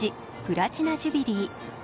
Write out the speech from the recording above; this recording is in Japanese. プラチナ・ジュビリー。